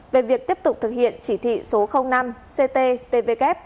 về việc tiếp tục thực hiện chỉ thị số năm cttvk